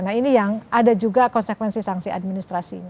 nah ini yang ada juga konsekuensi sanksi administrasinya